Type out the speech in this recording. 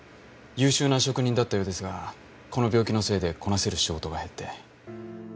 優秀な職人だったようですがこの病気のせいでこなせる仕事が減って。